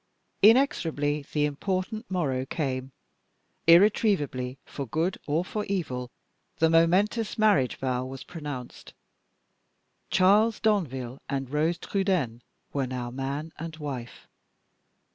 Inexorably the important morrow came: irretrievably, for good or for evil, the momentous marriage vow was pronounced. Charles Danville and Rose Trudaine were now man and wife.